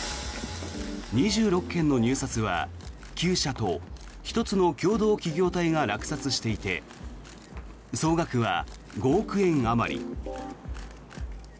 ２６件の入札は、９社と１つの共同企業体が落札していて総額は５億円あまり。